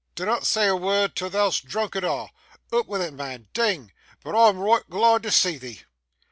Dinnot say a word till thou'st droonk it a'! Oop wi' it, mun. Ding! but I'm reeght glod to see thee.